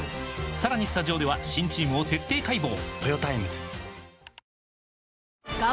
さらにスタジオでは新チームを徹底解剖！